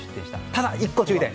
ただ１個、注意点